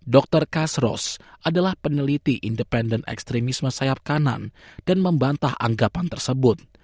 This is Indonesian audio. dr kasros adalah peneliti independen ekstremisme sayap kanan dan membantah anggapan tersebut